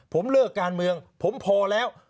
ผมเลิกการเมืองผมพอแล้ว